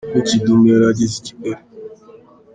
Ubwo Kidum yari ageze i Kigali.